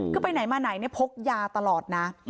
คือไปไหนมาไหนพกยาตลอดนะ